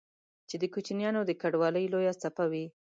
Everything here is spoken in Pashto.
چې د کوچيانو د کډوالۍ لويه څپه وه